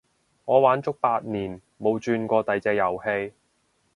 我玩足八年冇轉過第隻遊戲